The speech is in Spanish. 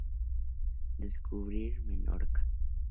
Descubrir Menorca.